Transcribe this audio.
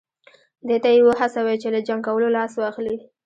دې ته یې وهڅوي چې له جنګ کولو لاس واخلي.